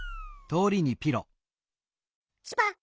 チュパッ。